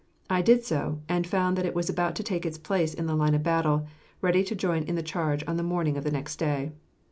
I did so, and found that it was about to take its place in line of battle, ready to join in the charge on the morning of the next day.